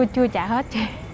chưa trả hết